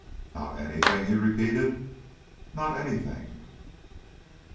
"Not any thing?" he repeated. "Not any thing."